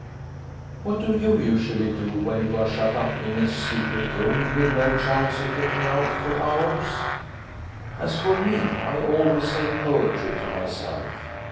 What do you usually do when you are shut up in a secret room, with no chance of getting out for hours? As for me, I always say poetry to myself.